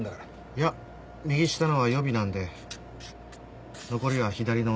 いや右下のは予備なんで残りは左の２本なんですよ。